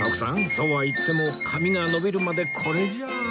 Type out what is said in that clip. そうは言っても髪が伸びるまでこれじゃあ